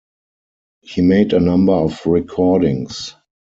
He made a number of recordings.